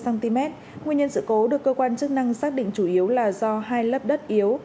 cm nguyên nhân sự cố được cơ quan chức năng xác định chủ yếu là do hai lớp đất yếu